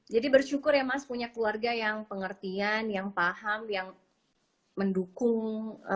jadi bersyukur ya mas punya keluarga yang pengertian yang paham yang mendukung